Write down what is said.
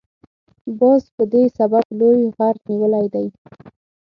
باز په دې سبب لوی غر نیولی دی.